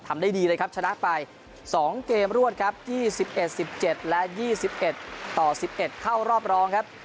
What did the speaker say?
ทำได้ดีเลยครับชนะไป๒เกมรวดครับ๒๑๑๗และ๒๑ต่อ๑๑เข้ารอบรองครับ